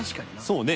そうね。